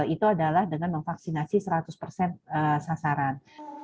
itu adalah dengan memvaksinasi seratus persen sasaran